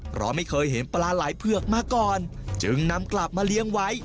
เพราะไม่เคยเห็นปลาไหล่เผือกมาก่อนจึงนำกลับมาเลี้ยงไว้